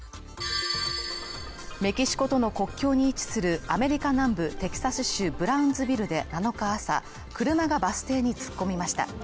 メキシコとの国境に位置するアメリカ南部テキサス州ブラウンズビルで７日朝車がバス停に突っ込みました。